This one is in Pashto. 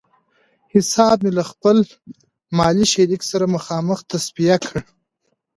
حساب مې له خپل مالي شریک سره مخامخ تصفیه کړ.